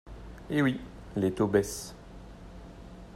Eh oui, les taux baissent